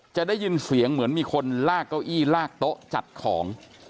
จะได้ยินเสียงเหมือนมีคนลากเก้าอี้ลากโต๊ะจัดของ